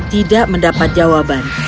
dia tidak mendapat jawaban